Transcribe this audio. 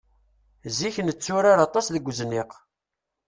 Zik netturar aṭas deg uzniq.